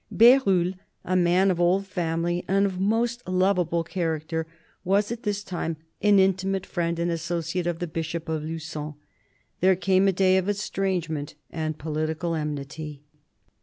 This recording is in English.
Berulle, a man of old family and of most lovable character, was at this time an intimate friend and associate of the Bishop of Lu^on. There came a day of estrangement and political enmity.